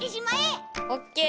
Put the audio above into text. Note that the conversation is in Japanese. オッケー！